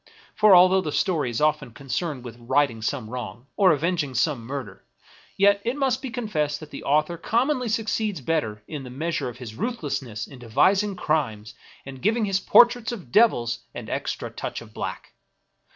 For, although the story is often concerned with righting some wrong, or avenging some murder, yet it must be confessed that the author commonly succeeds better in the measure of his ruthlessness in devising crimes and giving his portraits of devils an extra touch of black.